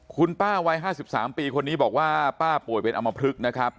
คุณป้าวัย๕๓ปีคนนี้บอกว่าป้าป่วยเป็นอำมพลึกนะครับ